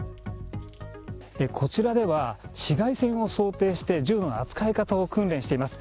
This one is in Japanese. こちらでは、市街戦を想定して銃の扱い方を訓練しています。